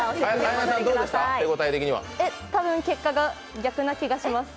たぶん結果が逆な気がします。